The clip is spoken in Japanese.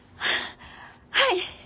はい！